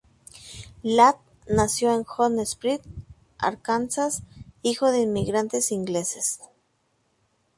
Ladd nació en Hot Springs, Arkansas, hijo de inmigrantes ingleses.